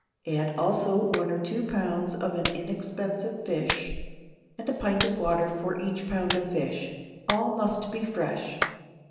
Add also one or two pounds of an inexpensive fish, and a pint of water for each pound of fish. All must be fresh.